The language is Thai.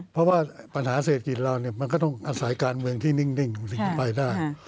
เพราะว่าปัญหาเศรษฐกิจเรามันก็ต้องอาศัยการเมืองที่นิ่งสิ่งที่ไปได้